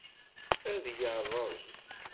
Ad yerreẓ.